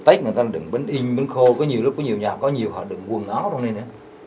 tết người ta đựng bánh in bánh khô có nhiều lúc có nhiều nhà có nhiều họ đựng quần áo ra đây nữa